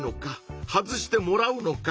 外してもらうのか？